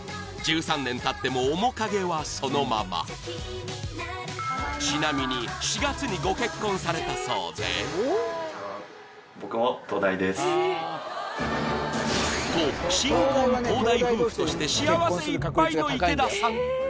１３年たっても面影はそのままちなみに４月にご結婚されたそうでと新婚東大夫婦として幸せいっぱいの池田さん